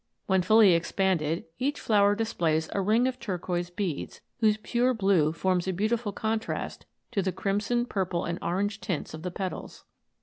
When fully expanded, each flower displays a ring of turquoise beads, whose pure blue forms a beautiful contrast to the crimson, purple, and orange tints of the petals.